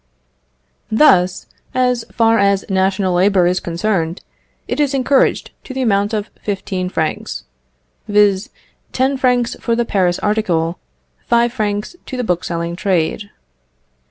Thus, as far as national labour is concerned, it is encouraged to the amount of fifteen francs, viz.: ten francs for the Paris article, five francs to the bookselling trade.